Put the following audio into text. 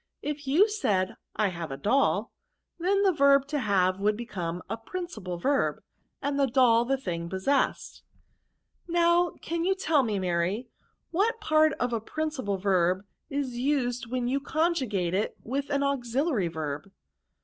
If you ssad I have a doll', then the verb to have Would become a principal verb, and doU the thing possessed." " Now, can you tell me. Maty, what part of a principal verb is used when you <;on« jugate it with an auxiUary verb